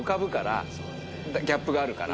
ギャップがあるから。